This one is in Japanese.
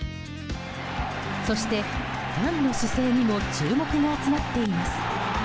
そして、ファンの姿勢にも注目が集まっています。